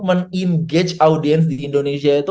meng engage audiens di indonesia itu